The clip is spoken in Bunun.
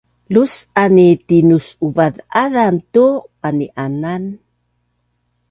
Lus’an i tinus’uvaz’azan tu qani’anan